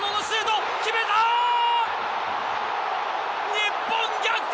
日本逆転！